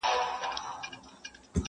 غړومبهارى د ټوپكو د توپو سو!.